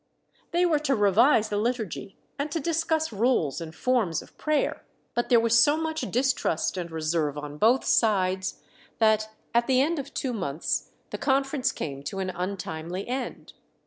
They were to revise the Liturgy, and to discuss rules and forms of prayer; but there was so much distrust and reserve on both sides, that at the end of two months the conference came to an untimely end.